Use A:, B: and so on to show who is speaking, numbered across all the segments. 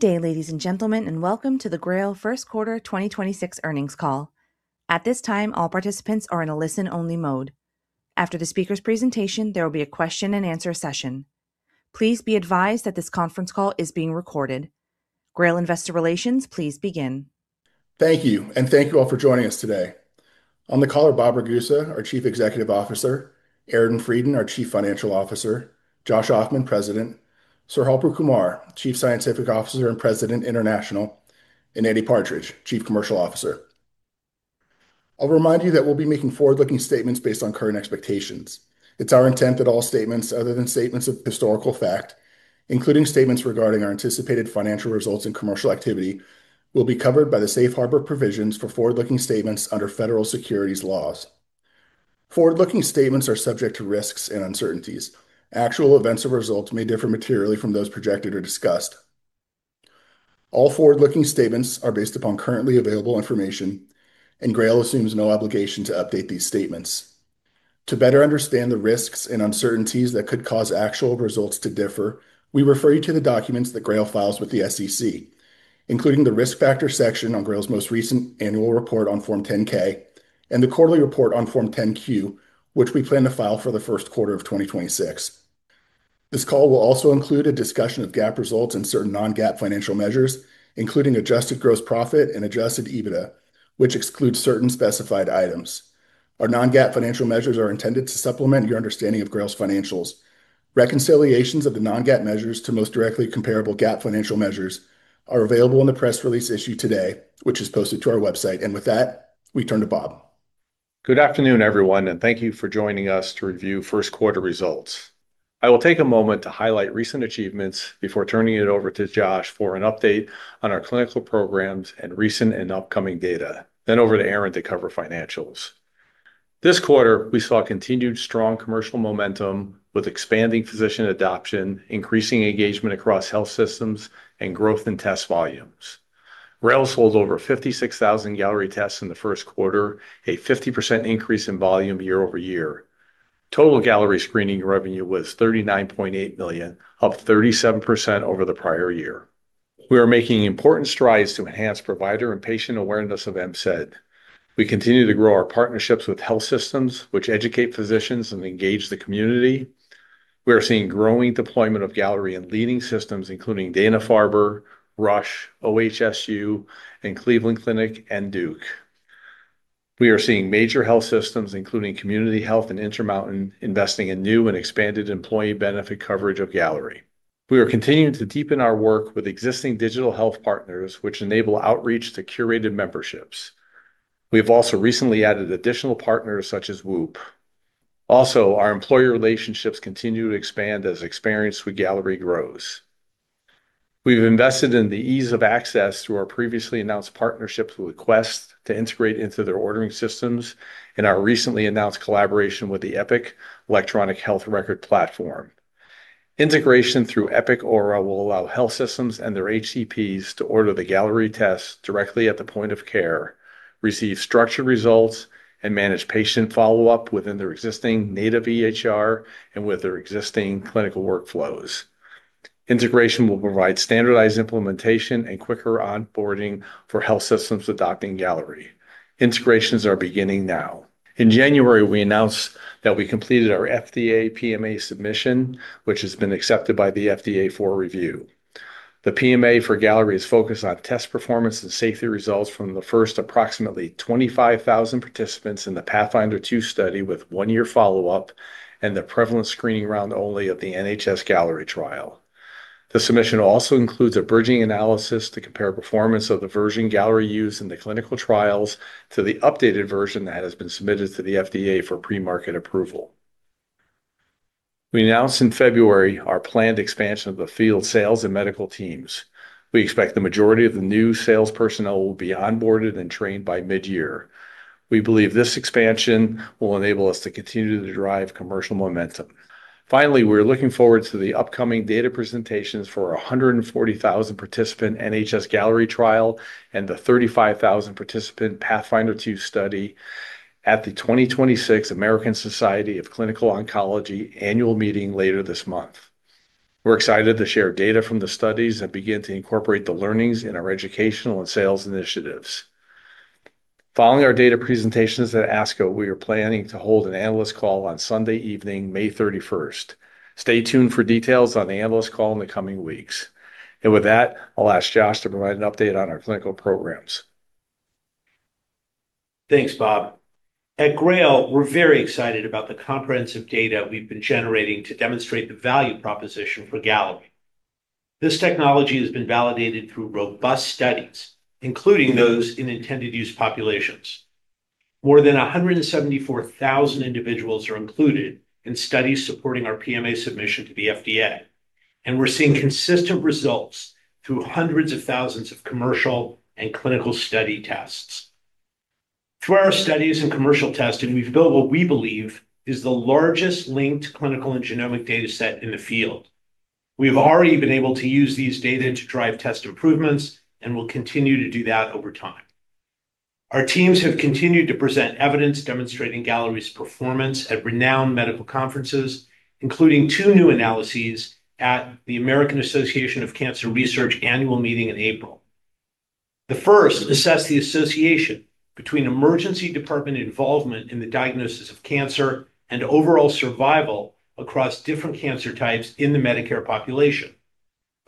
A: Good day, ladies and gentlemen, welcome to the GRAIL First Quarter 2026 Earnings call. At this time, all participants are in a listen-only mode. After the speaker's presentation, there will be a question and answer session. Please be advised that this conference call is being recorded. GRAIL Investor Relations, please begin.
B: Thank you, and thank you all for joining us today. On the call are Bob Ragusa, our Chief Executive Officer, Aaron Freidin, our Chief Financial Officer, Josh Ofman, President, Sir Harpal Kumar, Chief Scientific Officer and President International, and Andy Partridge, Chief Commercial Officer. I'll remind you that we'll be making forward-looking statements based on current expectations. It's our intent that all statements other than statements of historical fact, including statements regarding our anticipated financial results and commercial activity, will be covered by the safe harbor provisions for forward-looking statements under Federal Securities laws. Forward-looking statements are subject to risks and uncertainties. Actual events or results may differ materially from those projected or discussed. All forward-looking statements are based upon currently available information, and GRAIL assumes no obligation to update these statements. To better understand the risks and uncertainties that could cause actual results to differ, we refer you to the documents that GRAIL files with the SEC, including the Risk Factor section on GRAIL's most recent annual report on Form 10-K and the quarterly report on Form 10-Q, which we plan to file for the first quarter of 2026. This call will also include a discussion of GAAP results and certain non-GAAP financial measures, including adjusted gross profit and Adjusted EBITDA, which excludes certain specified items. Our non-GAAP financial measures are intended to supplement your understanding of GRAIL's financials. Reconciliations of the non-GAAP measures to most directly comparable GAAP financial measures are available in the press release issued today, which is posted to our website. With that, we turn to Bob.
C: Good afternoon, everyone, and thank you for joining us to review first quarter results. I will take a moment to highlight recent achievements before turning it over to Josh for an update on our clinical programs and recent and upcoming data, then over to Aaron to cover financials. This quarter, we saw continued strong commercial momentum with expanding physician adoption, increasing engagement across health systems, and growth in test volumes. GRAIL sold over 56,000 Galleri tests in the first quarter, a 50% increase in volume year-over-year. Total Galleri screening revenue was $39.8 million, up 37% over the prior year. We are making important strides to enhance provider and patient awareness of MCED. We continue to grow our partnerships with health systems, which educate physicians and engage the community. We are seeing growing deployment of Galleri in leading systems, including Dana-Farber, Rush, OHSU, and Cleveland Clinic and Duke. We are seeing major health systems, including Community Health and Intermountain, investing in new and expanded employee benefit coverage of Galleri. We are continuing to deepen our work with existing digital health partners, which enable outreach to curated memberships. We have also recently added additional partners such as WHOOP. Also, our employer relationships continue to expand as experience with Galleri grows. We've invested in the ease of access through our previously announced partnership with Quest to integrate into their ordering systems and our recently announced collaboration with the Epic electronic health record platform. Integration through Epic Aura will allow health systems and their HCPs to order the Galleri test directly at the point of care, receives structured results, and manage patient follow-up within their existing native EHR and with their existing clinical workflows. Integration will provide standardized implementation and quicker onboarding for health systems adopting Galleri. Integrations are beginning now. In January, we announced that we completed our FDA PMA submission, which has been accepted by the FDA for review. The PMA for Galleri is focused on test performance and safety results from the first approximately 25,000 participants in the PATHFINDER 2 study with one-year follow-up and the prevalent screening round only of the NHS-Galleri trial. The submission also includes a bridging analysis to compare performance of the version Galleri used in the clinical trials to the updated version that has been submitted to the FDA for pre-market approval. We announced in February our planned expansion of the field sales and medical teams. We expect the majority of the new sales personnel will be onboarded and trained by mid-year. We believe this expansion will enable us to continue to drive commercial momentum. Finally, we're looking forward to the upcoming data presentations for a 140,000 participant NHS-Galleri trial and the 35,000 participant PATHFINDER 2 study at the 2026 American Society of Clinical Oncology annual meeting later this month. We're excited to share data from the studies and begin to incorporate the learnings in our educational and sales initiatives. Following our data presentations at ASCO, we are planning to hold an analyst call on Sunday evening, May 31st. Stay tuned for details on the analyst call in the coming weeks. With that, I'll ask Josh Ofman to provide an update on our clinical programs.
D: Thanks, Bob. At GRAIL, we're very excited about the comprehensive data we've been generating to demonstrate the value proposition for Galleri. This technology has been validated through robust studies, including those in intended use populations. More than 174,000 individuals are included in studies supporting our PMA submission to the FDA. We're seeing consistent results through hundreds of thousands of commercial and clinical study tests. Through our studies and commercial testing, we've built what we believe is the largest linked clinical and genomic data set in the field. We've already been able to use these data to drive test improvements and will continue to do that over time. Our teams have continued to present evidence demonstrating Galleri's performance at renowned medical conferences, including two new analyses at the American Association for Cancer Research annual meeting in April. The first assessed the association between emergency department involvement in the diagnosis of cancer and overall survival across different cancer types in the Medicare population.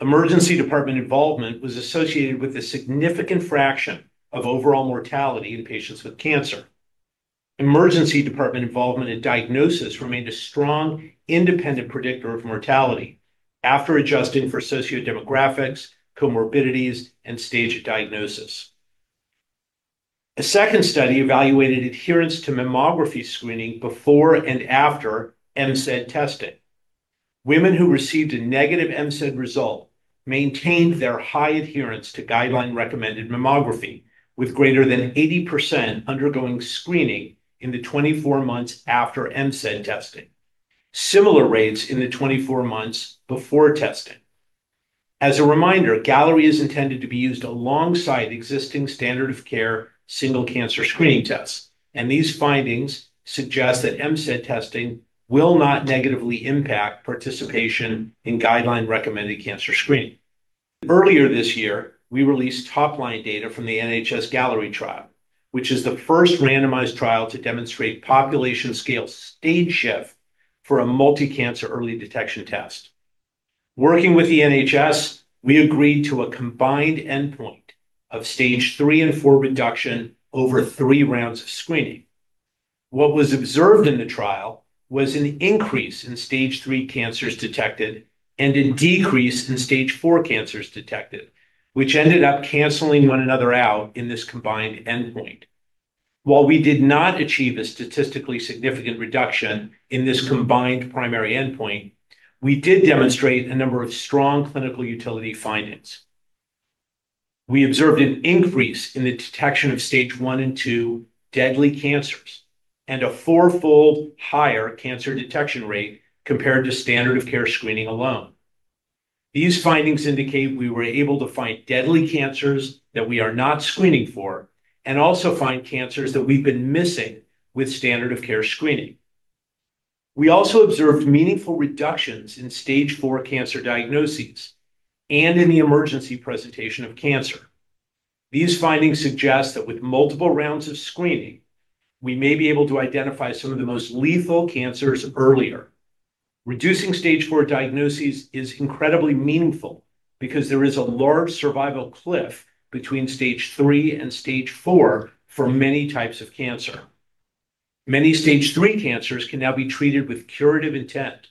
D: Emergency department involvement was associated with a significant fraction of overall mortality in patients with cancer. Emergency department involvement in diagnosis remained a strong independent predictor of mortality after adjusting for sociodemographics, comorbidities, and stage of diagnosis. A second study evaluated adherence to mammography screening before and after MCED testing. Women who received a negative MCED result maintained their high adherence to guideline-recommended mammography, with greater than 80% undergoing screening in the 24 months after MCED testing. Similar rates in the 24 months before testing. As a reminder, Galleri is intended to be used alongside existing standard of care single cancer screening tests, and these findings suggest that MCED testing will not negatively impact participation in guideline-recommended cancer screening. Earlier this year, we released top-line data from the NHS-Galleri trial, which is the first randomized trial to demonstrate population-scale stage shift for a multi-cancer early detection test. Working with the NHS, we agreed to a combined endpoint of stage 3 and 4 reduction over three rounds of screening. What was observed in the trial was an increase in stage 3 cancers detected and a decrease in stage 4 cancers detected, which ended up canceling one another out in this combined endpoint. While we did not achieve a statistically significant reduction in this combined primary endpoint, we did demonstrate a number of strong clinical utility findings. We observed an increase in the detection of stage 1 and 2 deadly cancers and a 4-fold higher cancer detection rate compared to standard of care screening alone. These findings indicate we were able to find deadly cancers that we are not screening for and also find cancers that we've been missing with standard of care screening. We also observed meaningful reductions in stage 4 cancer diagnoses and in the emergency presentation of cancer. These findings suggest that with multiple rounds of screening, we may be able to identify some of the most lethal cancers earlier. Reducing stage 4 diagnoses is incredibly meaningful because there is a large survival cliff between stage 3 and stage 4 for many types of cancer. Many stage 3 cancers can now be treated with curative intent,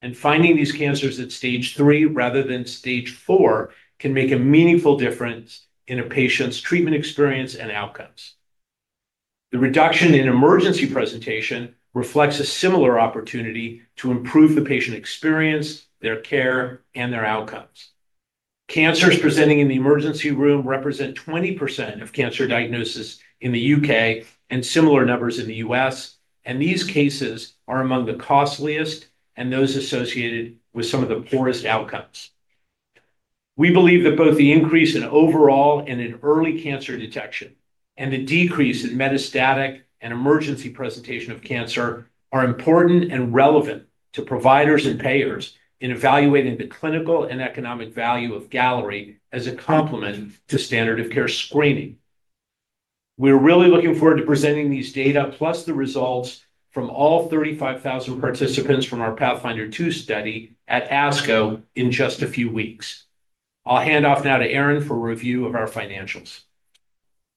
D: and finding these cancers at stage 3 rather than stage 4 can make a meaningful difference in a patient's treatment experience and outcomes. The reduction in emergency presentation reflects a similar opportunity to improve the patient experience, their care, and their outcomes. Cancers presenting in the emergency room represent 20% of cancer diagnosis in the U.K. and similar numbers in the U.S., and these cases are among the costliest and those associated with some of the poorest outcomes. We believe that both the increase in overall and in early cancer detection and the decrease in metastatic and emergency presentation of cancer are important and relevant to providers and payers in evaluating the clinical and economic value of Galleri as a complement to standard of care screening. We're really looking forward to presenting these data, plus the results from all 35,000 participants from our PATHFINDER 2 study at ASCO in just a few weeks. I'll hand off now to Aaron for a review of our financials.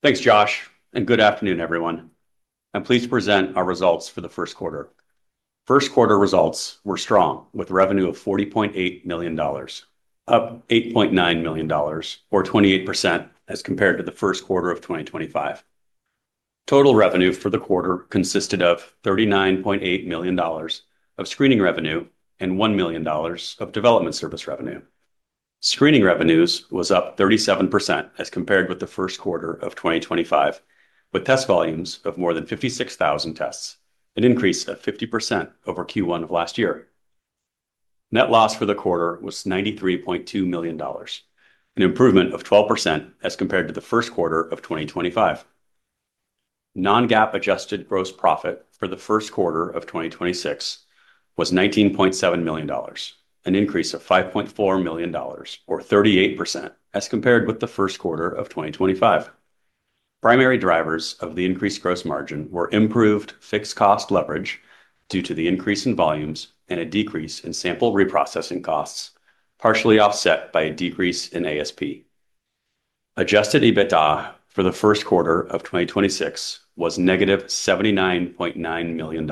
E: Thanks, Josh, and good afternoon, everyone. I'm pleased to present our results for the first quarter. First quarter results were strong, with revenue of $40.8 million, up $8.9 million or 28% as compared to the first quarter of 2025. Total revenue for the quarter consisted of $39.8 million of screening revenue and $1 million of development service revenue. Screening revenues was up 37% as compared with the first quarter of 2025, with test volumes of more than 56,000 tests, an increase of 50% over Q1 of last year. Net loss for the quarter was $93.2 million, an improvement of 12% as compared to the first quarter of 2025. Non-GAAP adjusted gross profit for the first quarter of 2026 was $19.7 million, an increase of $5.4 million or 38% as compared with the first quarter of 2025. Primary drivers of the increased gross margin were improved fixed cost leverage due to the increase in volumes and a decrease in sample reprocessing costs, partially offset by a decrease in ASP. Adjusted EBITDA for the first quarter of 2026 was -$79.9 million,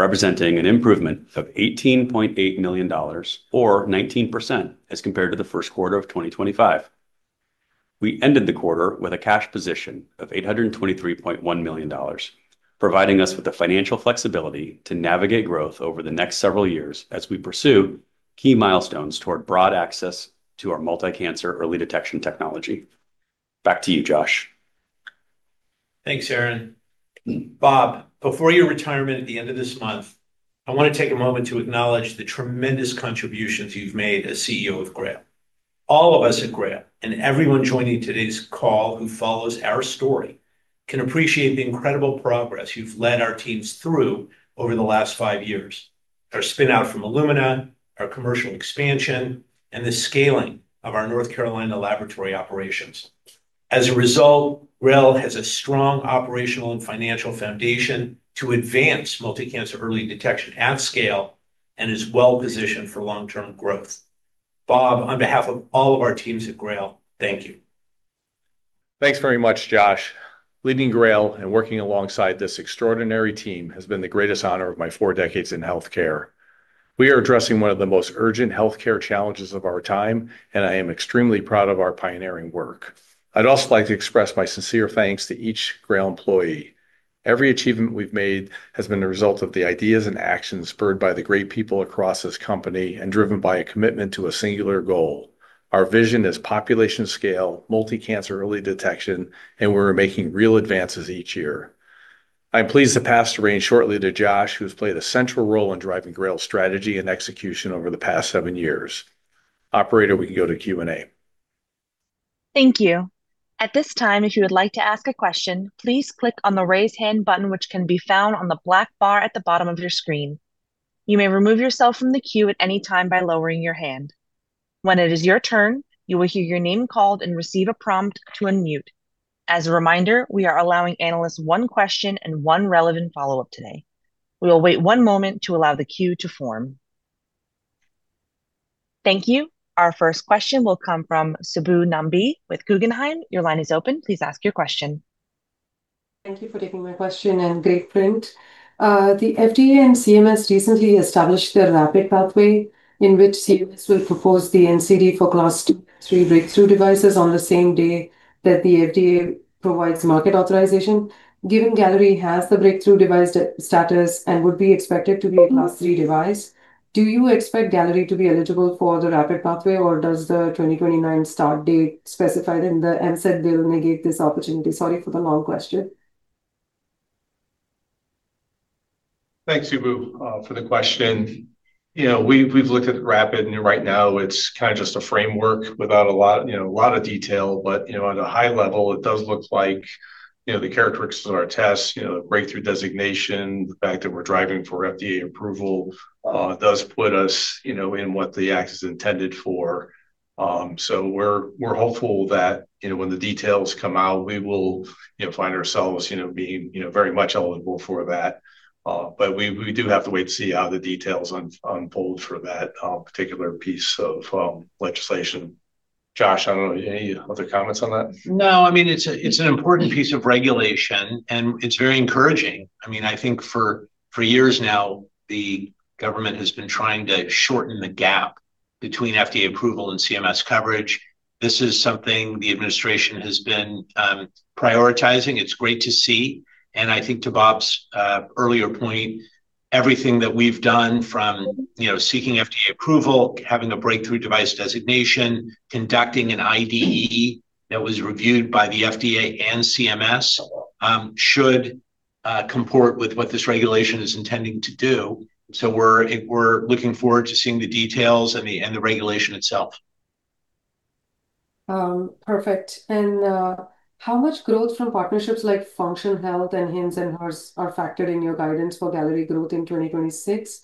E: representing an improvement of $18.8 million or 19% as compared to the first quarter of 2025. We ended the quarter with a cash position of $823.1 million, providing us with the financial flexibility to navigate growth over the next several years as we pursue key milestones toward broad access to our multi-cancer early detection technology. Back to you, Josh.
D: Thanks, Aaron. Bob, before your retirement at the end of this month, I want to take a moment to acknowledge the tremendous contributions you've made as CEO of GRAIL. All of us at GRAIL and everyone joining today's call who follows our story can appreciate the incredible progress you've led our teams through over the last five years. Our spin-out from Illumina, our commercial expansion, the scaling of our North Carolina laboratory operations. As a result, GRAIL has a strong operational and financial foundation to advance multi-cancer early detection at scale and is well-positioned for long-term growth. Bob, on behalf of all of our teams at GRAIL, thank you.
C: Thanks very much, Josh. Leading GRAIL and working alongside this extraordinary team has been the greatest honor of my four decades in healthcare. We are addressing one of the most urgent healthcare challenges of our time, and I am extremely proud of our pioneering work. I'd also like to express my sincere thanks to each GRAIL employee. Every achievement we've made has been a result of the ideas and actions spurred by the great people across this company and driven by a commitment to a singular goal. Our vision is population scale, multi-cancer early detection, and we're making real advances each year. I'm pleased to pass the reins shortly to Josh, who's played a central role in driving GRAIL's strategy and execution over the past seven years. Operator, we can go to Q&A.
A: Thank you. At this time, if you would like to ask a question, please click on the Raise Hand button, which can be found on the black bar at the bottom of your screen. You may remove yourself from the queue at any time by lowering your hand. When it is your turn, you will hear your name called and receive a prompt to unmute. As a reminder, we are allowing analysts one question and one relevant follow-up today. We will wait one moment to allow the queue to form. Thank you. Our first question will come from Subbu Nambi with Guggenheim. Your line is open. Please ask your question.
F: Thank you for taking my question, great print. The FDA and CMS recently established their rapid pathway in which CMS will propose the NCD for Class 2, 3 breakthrough devices on the same day that the FDA provides market authorization. Given Galleri has the breakthrough device status and would be expected to be a Class 3 device, do you expect Galleri to be eligible for the rapid pathway, or does the 2029 start date specified in the MCED bill negate this opportunity? Sorry for the long question.
C: Thanks, Subbu, for the question. You know, we've looked at rapid, right now it's kind of just a framework without a lot, you know, a lot of detail. You know, at a high level, it does look like, you know, the characteristics of our tests, you know, breakthrough designation, the fact that we're driving for FDA approval, does put us, you know, in what the act is intended for. We're hopeful that, you know, when the details come out, we will, you know, find ourselves, you know, being, you know, very much eligible for that. We do have to wait to see how the details unfold for that particular piece of legislation. Josh, I don't know, any other comments on that?
D: No, I mean, it's an important piece of regulation, and it's very encouraging. I mean, I think for years now, the government has been trying to shorten the gap between FDA approval and CMS coverage. This is something the administration has been prioritizing. It's great to see. I think to Bob's earlier point, everything that we've done from, you know, seeking FDA approval, having a breakthrough device designation, conducting an IDE that was reviewed by the FDA and CMS, should comport with what this regulation is intending to do. We're looking forward to seeing the details and the regulation itself.
F: Perfect. How much growth from partnerships like Function Health and Hims & Hers are factored in your guidance for Galleri growth in 2026?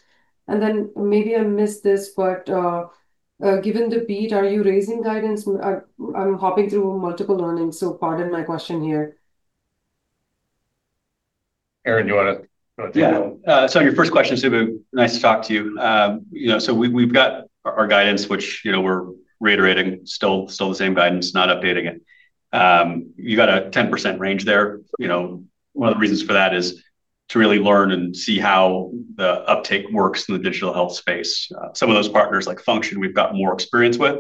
F: Maybe I missed this, but given the beat, are you raising guidance? I'm hopping through multiple earnings, so pardon my question here.
C: Aaron, you wanna take that one?
E: Yeah. Your first question, Subbu, nice to talk to you. You know, we've got our guidance, which, you know, we're reiterating still the same guidance, not updating it. You got a 10% range there. You know, one of the reasons for that is to really learn and see how the uptake works in the digital health space. Some of those partners like Function we've got more experience with.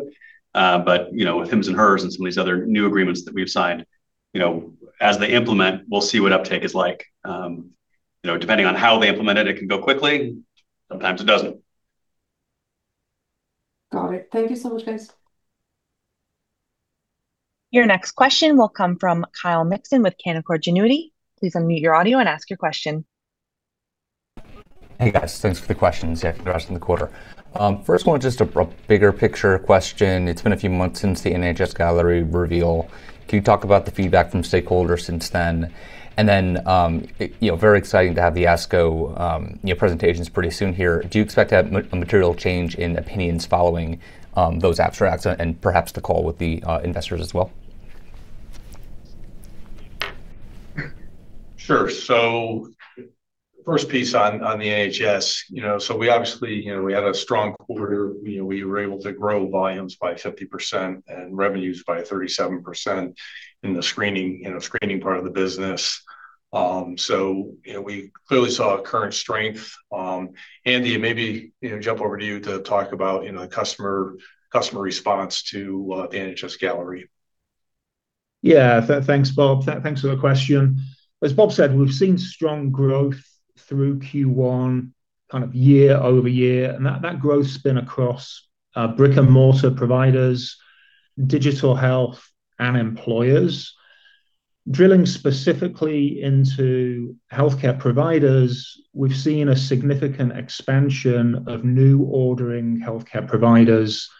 E: You know, with Hims & Hers and some of these other new agreements that we've signed, you know, as they implement, we'll see what uptake is like. You know, depending on how they implement it can go quickly, sometimes it doesn't.
F: Got it. Thank you so much, guys.
A: Your next question will come from Kyle Mikson with Canaccord Genuity. Please unmute your audio and ask your question.
G: Hey, guys. Thanks for the questions after addressing the quarter. First one, just a bigger picture question. It's been a few months since the NHS-Galleri reveal. Can you talk about the feedback from stakeholders since then? You know, very exciting to have the ASCO, you know, presentations pretty soon here. Do you expect to have a material change in opinions following those abstracts and perhaps the call with the investors as well?
C: Sure. First piece on the NHS. We obviously, you know, we had a strong quarter. We were able to grow volumes by 50% and revenues by 37% in the screening part of the business. You know, we clearly saw a current strength. Andy, maybe, you know, jump over to you to talk about, you know, the customer response to the NHS Galleri.
H: Yes. Thanks, Bob. Thanks for the question. As Bob said, we've seen strong growth through Q1, kind of year-over-year, and that growth's been across brick-and-mortar providers, digital health, and employers. Drilling specifically into healthcare providers, we've seen a significant expansion of new ordering healthcare providers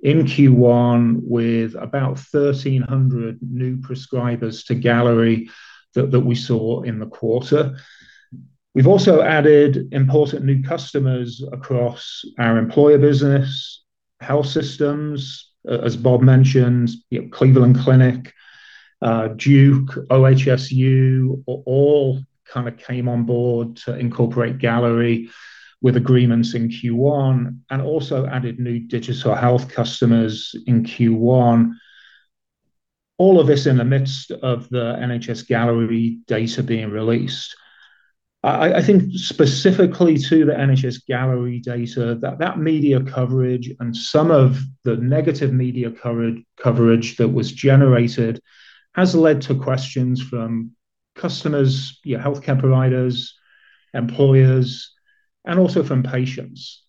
H: in Q1 with about 1,300 new prescribers to Galleri that we saw in the quarter. We've also added important new customers across our employer business, health systems, as Bob mentioned, you know, Cleveland Clinic, Duke, OHSU, all kind of came on board to incorporate Galleri with agreements in Q1, and also added new digital health customers in Q1. All of this in the midst of the NHS-Galleri data being released. I think specifically to the NHS-Galleri data, that media coverage and some of the negative media coverage that was generated has led to questions from customers, you know, healthcare providers, employers, and also from patients.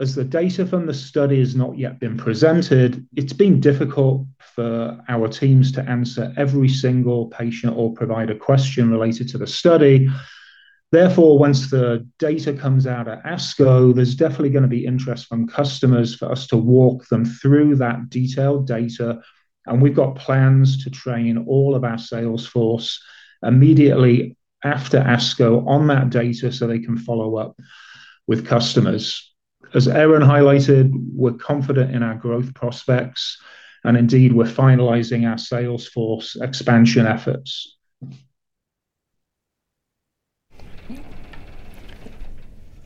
H: As the data from the study has not yet been presented, it's been difficult for our teams to answer every single patient or provider question related to the study. Therefore, once the data comes out at ASCO, there's definitely gonna be interest from customers for us to walk them through that detailed data, and we've got plans to train all of our Salesforce immediately after ASCO on that data so they can follow up with customers. As Aaron highlighted, we're confident in our growth prospects, and indeed we're finalizing our Salesforce expansion efforts.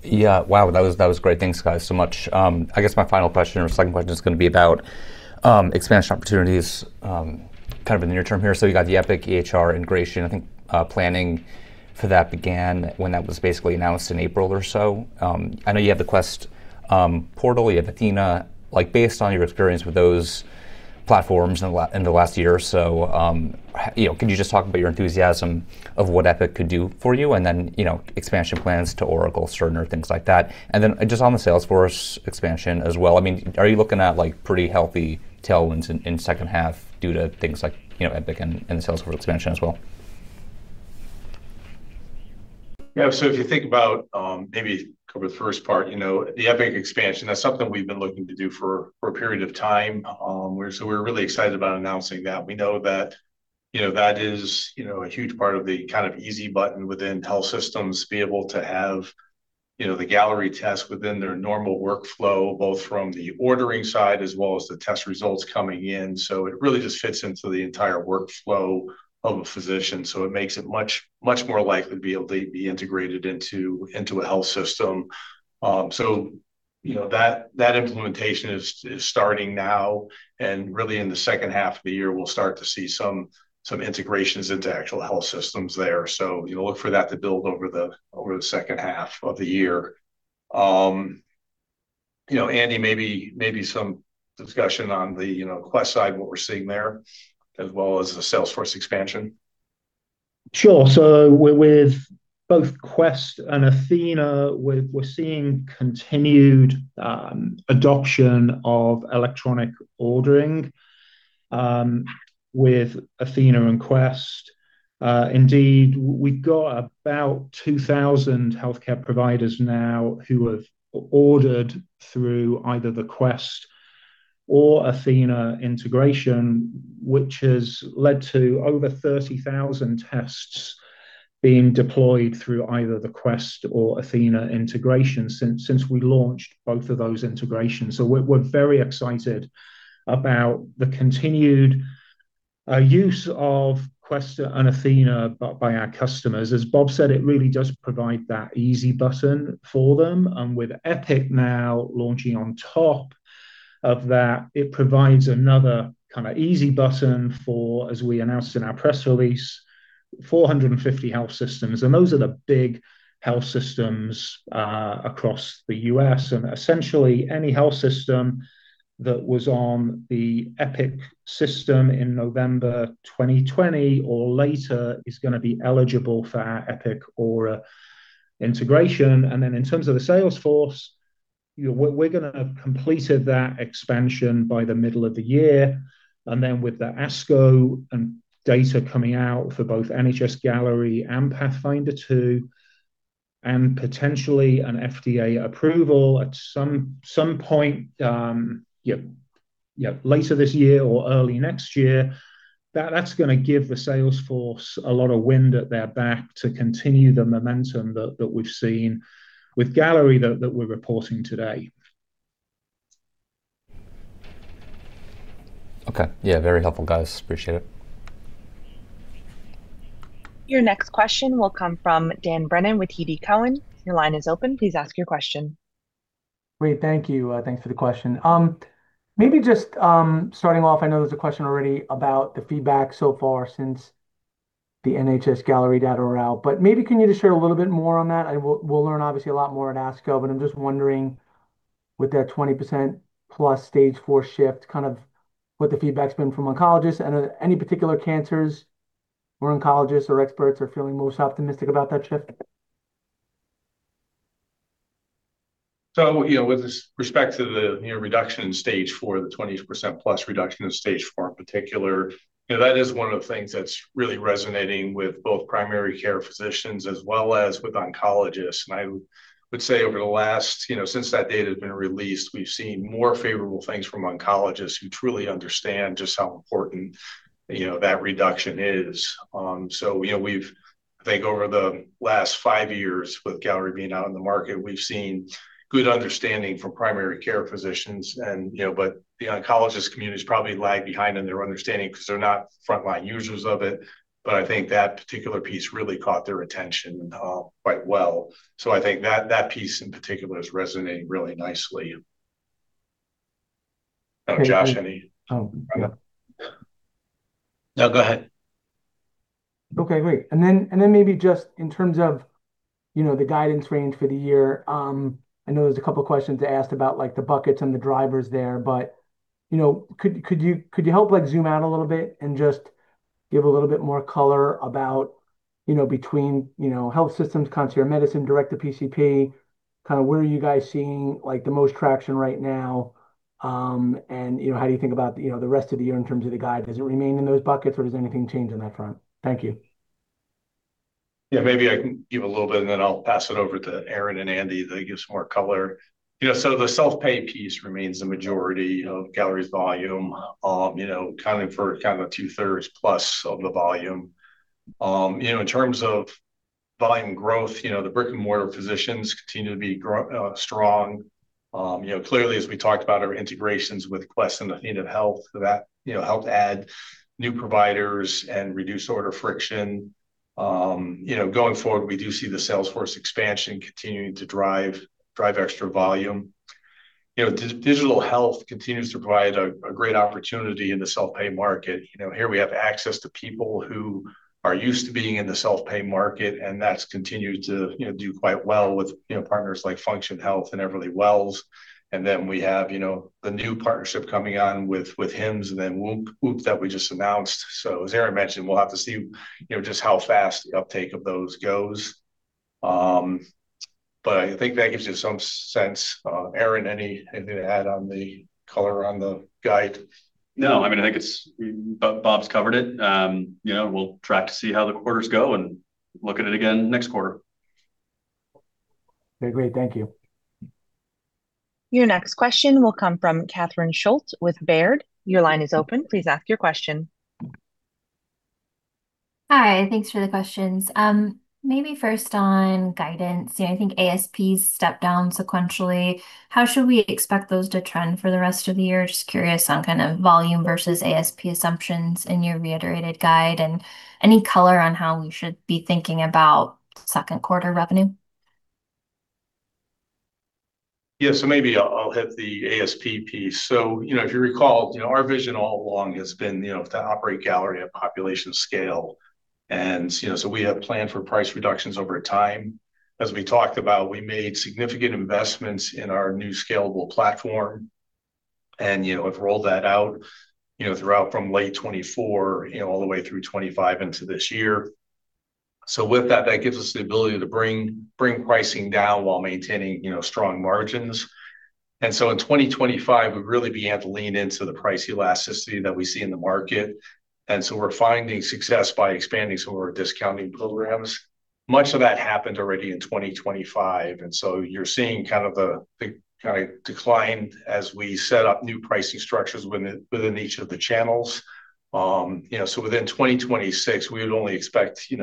G: Yeah. Wow, that was great. Thanks, guys, so much. I guess my final question or second question is gonna be about expansion opportunities, kind of in the near term here. You got the Epic EHR integration. I think planning for that began when that was basically announced in April or so. I know you have the Quest portal, you have athena. Like, based on your experience with those platforms in the last year or so, you know, can you just talk about your enthusiasm of what Epic could do for you? And then, you know, expansion plans to Oracle, Cerner, things like that. Just on the Salesforce expansion as well, I mean, are you looking at, like, pretty healthy tailwinds in second half due to things like, you know, Epic and Salesforce expansion as well?
C: Yeah. If you think about, maybe cover the first part, you know, the Epic expansion, that's something we've been looking to do for a period of time. We're really excited about announcing that. We know that, you know, that is, you know, a huge part of the kind of easy button within health systems to be able to have, you know, the Galleri test within their normal workflow, both from the ordering side as well as the test results coming in. It really just fits into the entire workflow of a physician, so it makes it much more likely to be able to be integrated into a health system. You know, that implementation is starting now, and really in the second half of the year we'll start to see some integrations into actual health systems there. You know, look for that to build over the, over the second half of the year. You know, Andy, maybe some discussion on the, you know, Quest side, what we're seeing there, as well as the Salesforce expansion.
H: Sure. With both Quest and athena, we're seeing continued adoption of electronic ordering with athena and Quest. Indeed, we've got about 2,000 healthcare providers now who have ordered through either the Quest or athena integration, which has led to over 30,000 tests being deployed through either the Quest or athena integration since we launched both of those integrations. We're very excited about the continued use of Quest and athena by our customers. As Bob said, it really does provide that easy button for them. With Epic now launching on top of that, it provides another kind of easy button for, as we announced in our press release, 450 health systems, and those are the big health systems across the U.S.. Essentially any health system that was on the Epic system in November 2020 or later is gonna be eligible for our Epic or integration. In terms of the Salesforce, you know, we're gonna have completed that expansion by the middle of the year. With the ASCO and data coming out for both NHS-Galleri and PATHFINDER 2, and potentially an FDA approval at some point, you know, later this year or early next year, that's gonna give the Salesforce a lot of wind at their back to continue the momentum that we've seen with Galleri that we're reporting today.
G: Okay. Yeah. Very helpful, guys. Appreciate it.
A: Your next question will come from Dan Brennan with TD Cowen. Your line is open. Please ask your question.
I: Great. Thank you. Thanks for the question. Maybe just starting off, I know there's a question already about the feedback so far since the NHS Galleri data are out, but maybe can you just share a little bit more on that? We'll learn obviously a lot more at ASCO, but I'm just wondering with that 20%+ stage 4 shift, kind of what the feedback's been from oncologists and any particular cancers where oncologists or experts are feeling most optimistic about that shift?
C: You know, with this respect to the, you know, reduction in stage 4, the 20%+ reduction in stage 4 in particular, you know, that is one of the things that's really resonating with both primary care physicians as well as with oncologists. I would say over the last, you know, since that data has been released, we've seen more favorable things from oncologists who truly understand just how important, you know, that reduction is. You know, I think over the last five years with Galleri being out in the market, we've seen good understanding from primary care physicians and, you know, but the oncologist community has probably lagged behind in their understanding because they're not frontline users of it. I think that particular piece really caught their attention quite well. I think that piece in particular is resonating really nicely. Oh, Josh.
I: Oh.
C: No, go ahead.
I: Okay, great. Then maybe just in terms of, you know, the guidance range for the year, I know there's a couple questions asked about like the buckets and the drivers there, but, you know, could you help like zoom out a little bit and just give a little bit more color about, you know, between, you know, health systems, concierge medicine, direct-to-PCP? Kind of where are you guys seeing like the most traction right now? And you know, how do you think about, you know, the rest of the year in terms of the guide? Does it remain in those buckets, or does anything change on that front? Thank you.
C: Yeah, maybe I can give a little bit, and then I'll pass it over to Aaron and Andy. They give some more color. You know, the self-pay piece remains the majority of Galleri's volume, you know, accounting for kind of 2/3+ of the volume. You know, in terms of volume growth, you know, the brick-and-mortar physicians continue to be grow strong. You know, clearly, as we talked about our integrations with Quest and athenahealth, that, you know, helped add new providers and reduce order friction. You know, going forward, we do see the Salesforce expansion continuing to drive extra volume. You know, digital health continues to provide a great opportunity in the self-pay market. You know, here we have access to people who are used to being in the self-pay market. That's continued to, you know, do quite well with, you know, partners like Function Health and Everlywell. Then we have, you know, the new partnership coming on with Hims and then WHOOP that we just announced. As Aaron mentioned, we'll have to see, you know, just how fast the uptake of those goes. But I think that gives you some sense. Aaron, anything to add on the color on the guide?
E: No. I mean, I think it's Bob's covered it. You know, we'll track to see how the quarters go and look at it again next quarter.
I: Okay, great. Thank you.
A: Your next question will come from Catherine Schulte with Baird. Your line is open. Please ask your question.
J: Hi, thanks for the questions. Maybe first on guidance. Do I think ASPs stepped down sequentially. How should we expect those to trend for the rest of the year? Just curious on kind of volume versus ASP assumptions in your reiterated guide. Any color on how we should be thinking about second quarter revenue?
C: Yes. Maybe I'll hit the ASP piece. You know, if you recall, you know, our vision all along has been, you know, to operate Galleri at population scale. And, you know, we have planned for price reductions over time. As we talked about, we made significant investments in our new scalable platform and, you know, have rolled that out, you know, throughout from late 2024, you know, all the way through 2025 into this year. With that gives us the ability to bring pricing down while maintaining, you know, strong margins. In 2025, we really began to lean into the price elasticity that we see in the market. We're finding success by expanding some of our discounting programs. Much of that happened already in 2025, and so you're seeing kind of the kind of decline as we set up new pricing structures within each of the channels. You know, within 2026, we would only expect, you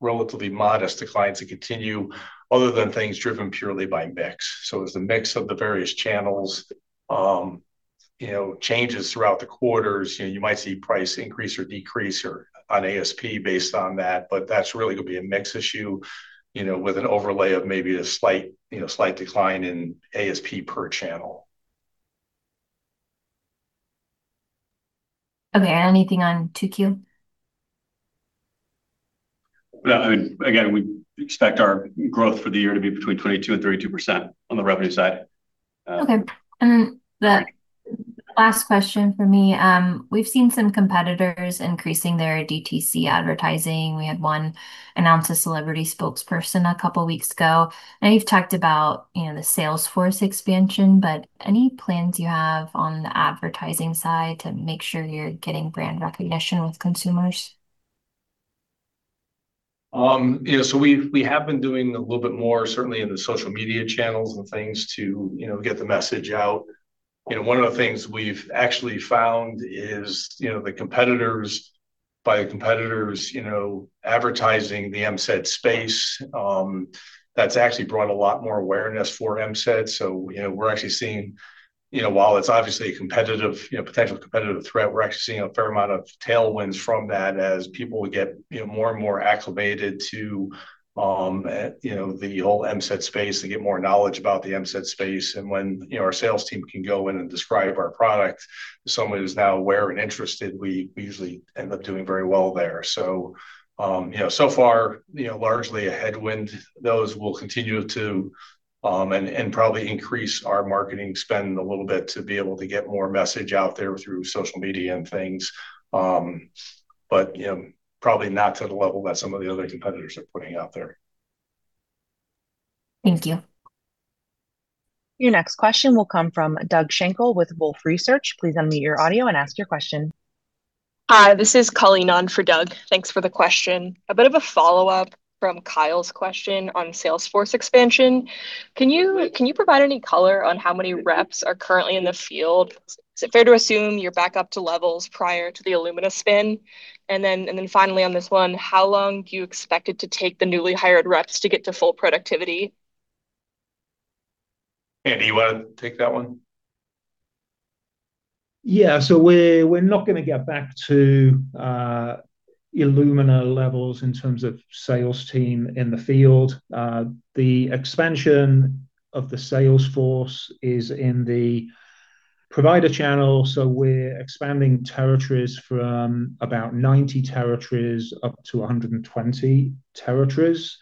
C: know, relatively modest declines to continue other than things driven purely by mix. As the mix of the various channels, you know, changes throughout the quarters, you know, you might see price increase or decrease or on ASP based on that, but that's really gonna be a mix issue, you know, with an overlay of maybe a slight, you know, slight decline in ASP per channel.
J: Okay. Anything on 2Q?
C: No. I mean, again, we expect our growth for the year to be between 22% and 32% on the revenue side.
J: Okay. The last question for me. We've seen some competitors increasing their DTC advertising. We had one announce a celebrity spokesperson a couple weeks ago. I know you've talked about, you know, the Salesforce expansion, but any plans you have on the advertising side to make sure you're getting brand recognition with consumers?
C: You know, we have been doing a little bit more certainly in the social media channels and things to, you know, get the message out. You know, one of the things we've actually found is, you know, the competitors by competitors, you know, advertising the MCED space, that's actually brought a lot more awareness for MCED. So, you know, we're actually seeing, you know, while it's obviously a competitive, you know, potential competitive threat, we're actually seeing a fair amount of tailwinds from that as people would get, you know, more and more acclimated to, you know, the whole MCED space. They get more knowledge about the MCED space. And when, you know, our sales team can go in and describe our product to someone who's now aware and interested, we usually end up doing very well there. You know, so far, you know, largely a headwind. Those will continue to and probably increase our marketing spend a little bit to be able to get more message out there through social media and things. But, you know, probably not to the level that some of the other competitors are putting out there.
J: Thank you.
A: Your next question will come from Doug Schenkel with Wolfe Research. Please unmute your audio and ask your question
K: Hi, this is Colleen on for Doug. Thanks for the question. A bit of a follow-up from Kyle's question on Salesforce expansion. Can you provide any color on how many reps are currently in the field? Is it fair to assume you're back up to levels prior to the Illumina spin? And then, finally on this one, how long do you expect it to take the newly hired reps to get to full productivity?
C: Andy, you want to take that one?
H: Yes. We're not gonna get back to Illumina levels in terms of sales team in the field. The expansion of the Salesforce is in the provider channel, we're expanding territories from about 90 territories up to 120 territories.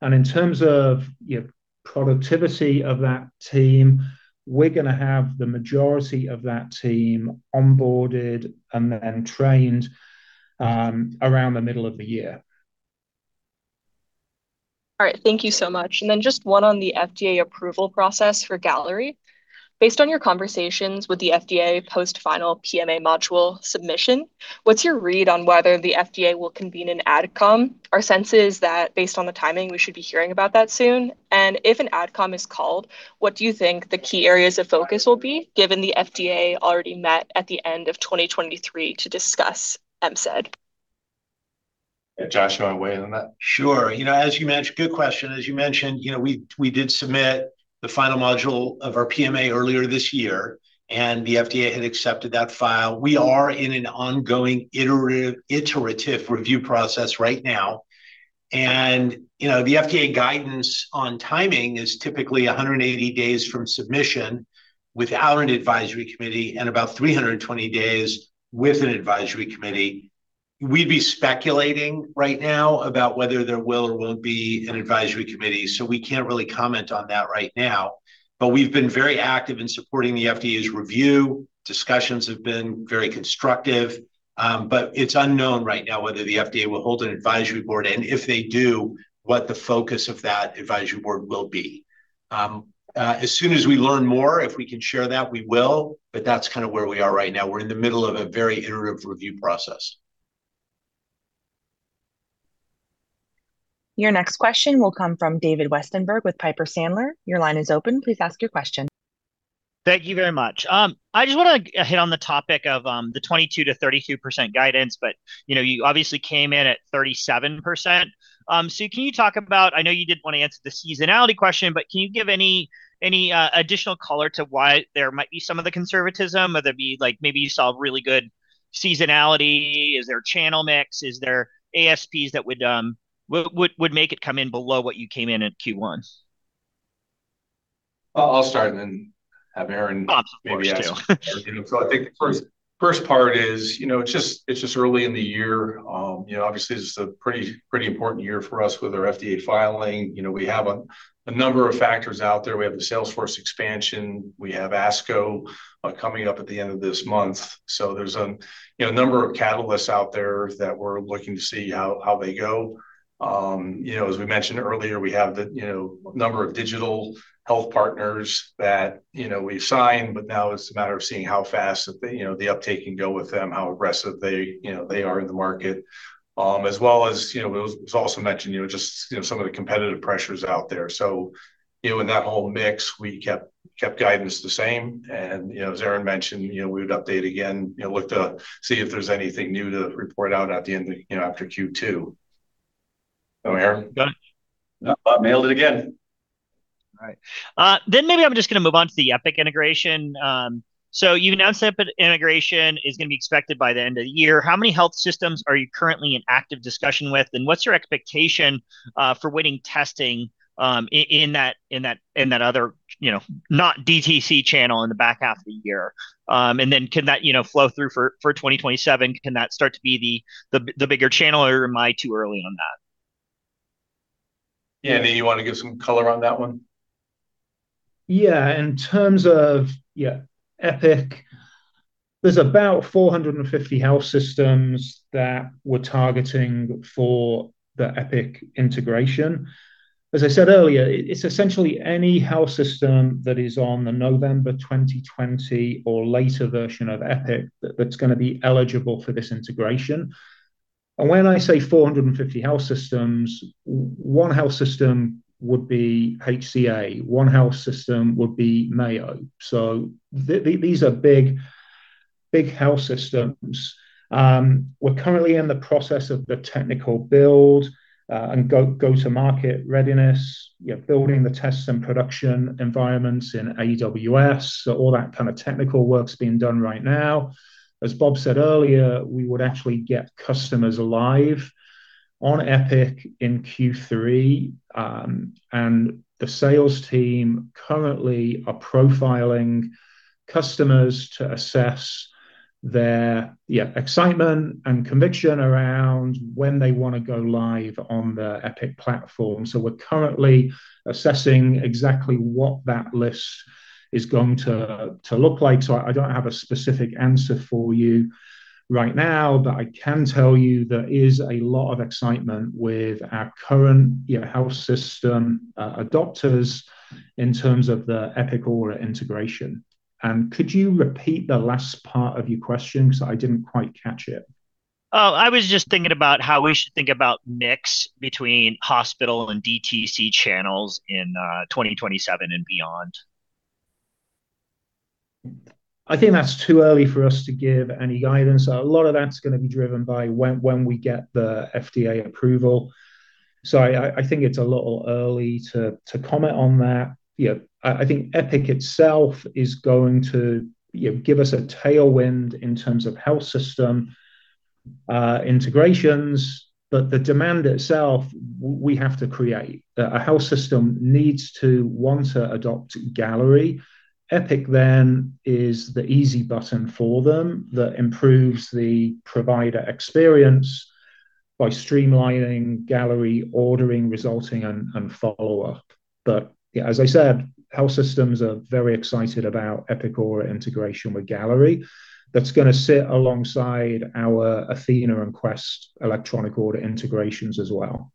H: In terms of, you know, productivity of that team, we're gonna have the majority of that team onboarded and then trained around the middle of the year.
K: All right, thank you so much. Then just one on the FDA approval process for Galleri. Based on your conversations with the FDA post final PMA module submission, what's your read on whether the FDA will convene an AdCom? Our sense is that based on the timing, we should be hearing about that soon. If an AdCom is called, what do you think the key areas of focus will be, given the FDA already met at the end of 2023 to discuss MCED?
C: Josh, you wanna weigh in on that?
D: Sure. You know, as you mentioned, good question. As you mentioned, you know, we did submit the final module of our PMA earlier this year. The FDA had accepted that file. We are in an ongoing iterative review process right now. And, you know, the FDA guidance on timing is typically 180 days from submission without an advisory committee, and about 320 days with an advisory committee. We'd be speculating right now about whether there will or won't be an advisory committee. We can't really comment on that right now. We've been very active in supporting the FDA's review, discussions have been very constructive, but it's unknown right now whether the FDA will hold an advisory board, and if they do, what the focus of that advisory board will be. As soon as we learn more, if we can share that, we will. That's kind of where we are right now. We're in the middle of a very iterative review process.
A: Your next question will come from David Westenberg with Piper Sandler. Your line is open, please ask your question.
L: Thank you very much. I just wanna hit on the topic of the 22%-32% guidance. You know, you obviously came in at 37%. Can you talk about I know you didn't want to answer the seasonality question, but can you give any additional color to why there might be some of the conservatism? Whether it be, like, maybe you saw really good seasonality. Is there channel mix? Is there ASPs that would make it come in below what you came in at Q1?
C: I'll start and then have Aaron—
L: Awesome. Of course.
C: maybe add something. So, I think first part is, you know, it's just early in the year. You know, obviously this is a pretty important year for us with our FDA filing. You know, we have a number of factors out there. We have the Salesforce expansion. We have ASCO coming up at the end of this month. There's, you know, a number of catalysts out there that we're looking to see how they go. You know, as we mentioned earlier, we have the, you know, number of digital health partners that, you know, we've signed, but now it's a matter of seeing how fast the, you know, the uptake can go with them, how aggressive they, you know, they are in the market. As well as, you know, it was also mentioned, you know, just, you know, some of the competitive pressures out there. So, you know, in that whole mix, we kept guidance the same. As Aaron mentioned, you know, we would update again, you know, look to see if there's anything new to report out at the end of, you know, after Q2. Go, Aaron.
E: Got it. Bob nailed it again.
L: All right. Maybe I'm just gonna move on to the Epic integration. You announced that the integration is gonna be expected by the end of the year. How many health systems are you currently in active discussion with, and what's your expectation for winning testing in that other, you know, not DTC channel in the back half of the year? Can that, you know, flow through for 2027? Can that start to be the bigger channel, or am I too early on that?
C: Andy, you wanna give some color on that one?
H: Yes. In terms of Epic, there's about 450 health systems that we're targeting for the Epic integration. As I said earlier, it's essentially any health system that is on the November 2020 or later version of Epic that's gonna be eligible for this integration. When I say 450 health systems, one health system would be HCA, one health system would be Mayo. These are big, big health systems. We're currently in the process of the technical build and go to market readiness. You know, building the tests and production environments in AWS. All that kind of technical work's being done right now. As Bob said earlier, we would actually get customers live on Epic in Q3. And the sales team currently are profiling customers to assess their, yeah, excitement and conviction around when they wanna go live on the Epic platform. We're currently assessing exactly what that list is going to look like. I don't have a specific answer for you right now. I can tell you there is a lot of excitement with our current, you know, health system adopters in terms of the Epic order integration. Could you repeat the last part of your question, so I didn't quite catch it?
L: Oh, I was just thinking about how we should think about mix between hospital and DTC channels in 2027 and beyond?
H: I think that's too early for us to give any guidance. A lot of that's going to be driven by when we get the FDA approval. So, I think it's a little early to comment on that. You know, I think Epic itself is going to, you know, give us a tailwind in terms of health system integrations. The demand itself we have to create. A health system needs to want to adopt Galleri. Epic then, is the easy button for them that improves the provider experience by streamlining Galleri ordering, resulting, and follow-up. But, yeah, as I said, health systems are very excited about Epic order integration with Galleri. That's going to sit alongside our athena and Quest electronic order integrations as well.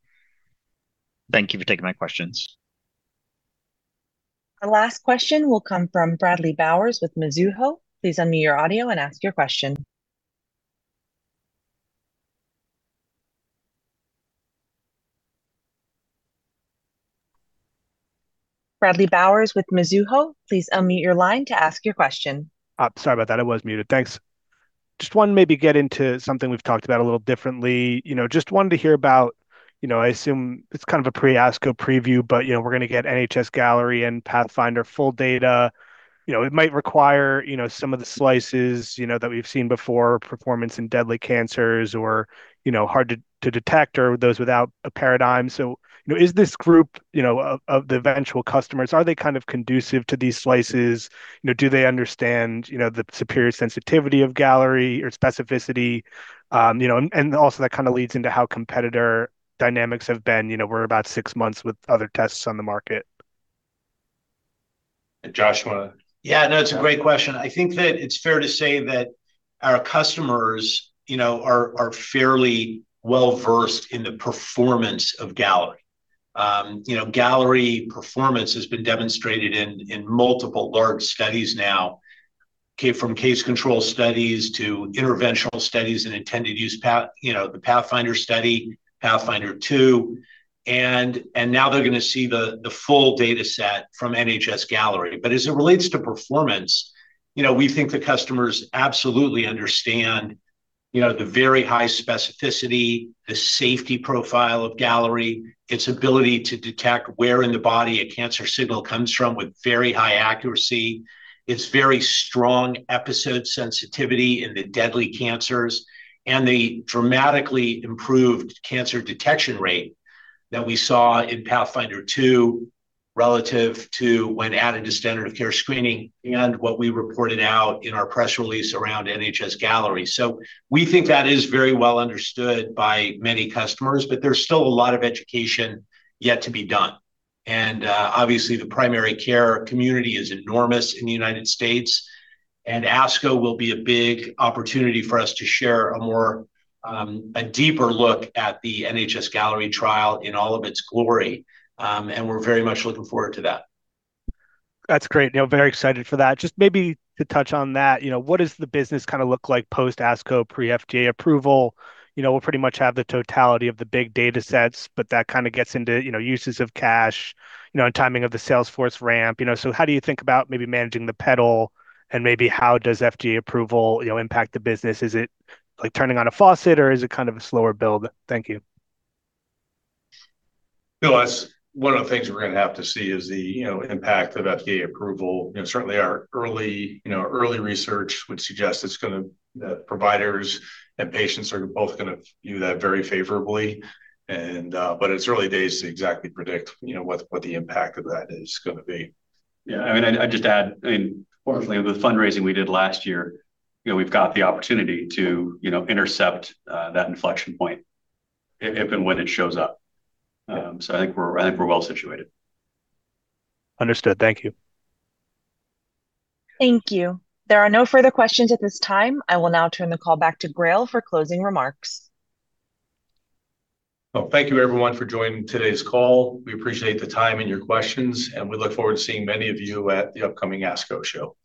L: Thank you for taking my questions.
A: The last question will come from Bradley Bowers with Mizuho. Please unmute your audio and ask you question. Bradley Bowers with Mizuho, please unmute your line to ask your question.
M: Sorry about that, I was muted. Thanks. Just want to maybe get into something we've talked about a little differently. You know, just wanted to hear about, you know, I assume it's kind of a pre-ASCO preview, but, you know, we're gonna get NHS-Galleri and PATHFINDER full data. You know, it might require, you know, some of the slices, you know, that we've seen before, performance in deadly cancers or, you know, hard to detect or those without a paradigm. You know, is this group, you know, of the eventual customers, are they kind of conducive to these slices? Do they understand, you know, the superior sensitivity of Galleri or specificity? You know, also that kind of leads into how competitor dynamics have been. You know, we're about six months with other tests on the market?
C: Joshua?
D: Yeah, no, it's a great question. I think that it's fair to say that our customers, you know, are fairly well-versed in the performance of Galleri. You know, Galleri performance has been demonstrated in multiple large studies now. Okay, from case control studies to interventional studies and intended use PATHFINDER, you know, the PATHFINDER study, PATHFINDER 2. Now they're gonna see the full data set from NHS-Galleri. As it relates to performance, you know, we think the customers absolutely understand, you know, the very high specificity, the safety profile of Galleri, its ability to detect where in the body a cancer signal comes from with very high accuracy. It's very strong episode sensitivity in the deadly cancers, and the dramatically improved cancer detection rate that we saw in PATHFINDER 2 relative to when added to standard of care screening and what we reported out in our press release around NHS-Galleri. So, we think that is very well understood by many customers, but there's still a lot of education yet to be done. Obviously, the primary care community is enormous in the United States, and ASCO will be a big opportunity for us to share a more, a deeper look at the NHS-Galleri trial in all of its glory. We're very much looking forward to that.
M: That's great. You know, very excited for that. Just maybe to touch on that, you know, what does the business kind of look like post ASCO, pre-FDA approval? You know, we'll pretty much have the totality of the big data sets, but that kind of gets into, you know, uses of cash, you know, and timing of the Salesforce ramp, you know. How do you think about maybe managing the pedal, and maybe how does FDA approval, you know, impact the business? Is it like turning on a faucet, or is it kind of a slower build? Thank you.
C: No, that's one of the things we're gonna have to see is the, you know, impact of FDA approval. You know, certainly our early, you know, early research would suggest it's gonna providers and patients are both gonna view that very favorably. It's early days to exactly predict, you know, what the impact of that is gonna be.
D: Yeah, I mean, I'd just add, I mean, fortunately with the fundraising we did last year, you know, we've got the opportunity to, you know, intercept that inflection point if and when it shows up. I think we're well-situated.
M: Understood. Thank you.
A: Thank you. There are no further questions at this time. I will now turn the call back to GRAIL for closing remarks.
C: Well, thank you everyone for joining today's call. We appreciate the time and your questions, and we look forward to seeing many of you at the upcoming ASCO show.